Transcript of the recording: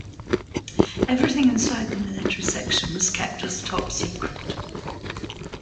Everything inside the military section was kept as top secret.